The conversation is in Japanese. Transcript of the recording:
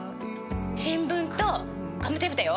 新聞とガムテープだよ。